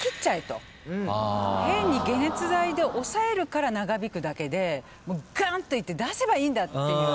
変に解熱剤で抑えるから長引くだけでガンって出せばいいんだっていう。